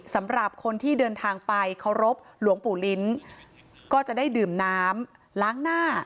สำหรับคนที่เดินทางไปเคารพหลวงปู่ลิ้นก็จะได้ดื่มน้ำล้างหน้า